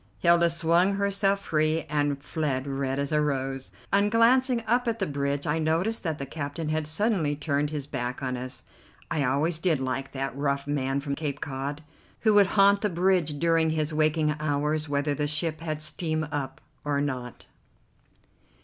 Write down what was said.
Hilda swung herself free and fled, red as a rose. On glancing up at the bridge I noticed that the captain had suddenly turned his back on us. I always did like that rough man from Cape Cod, who would haunt the bridge during his waking hours whether the ship had steam up or not.